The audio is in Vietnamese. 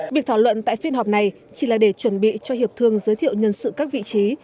việc thảo luận tại phiên họp này chỉ là để chuẩn bị cho hiệp thương giới thiệu nhân sự các vị trí